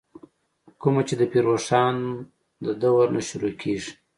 کومه چې دَپير روښان ددورنه شروع کيږې